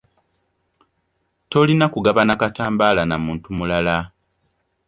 Tolina kugabana katambaala na muntu mulala.